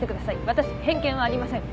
私偏見はありません。